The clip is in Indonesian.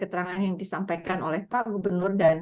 terima kasih pak gubernur